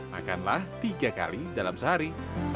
makanlah tiga kali dalam sehari